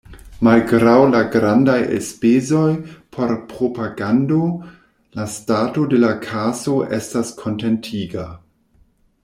Malgraŭ la grandaj elspezoj por propagando, la stato de la kaso estas kontentiga.